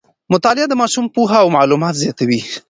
مطالعه د ماشوم پوهه او معلومات زیاتوي.